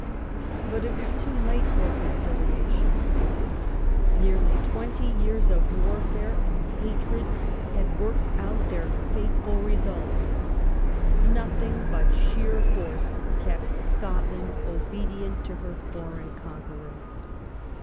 But it Avas too late for conciliation. Nearly 218 EDWARD I chap, xii twenty years of warfare and hatred had worked out their fateful results. Nothing but sheer force kept Scotland obedient to her foreign conqueror.